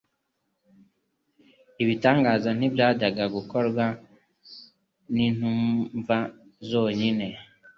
Ibitangaza ntibyajyaga gukorwa n'intumwa zonyine